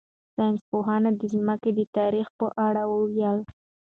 ساینس پوهانو د ځمکې د تاریخ په اړه وویل.